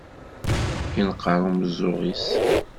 Yenqer umeẓẓuɣ-is.